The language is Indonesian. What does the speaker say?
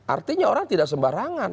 artinya orang tidak sembarangan